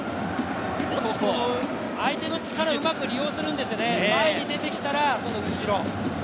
相手の力をうまく利用するんですよね、前に出てきたらその後ろ。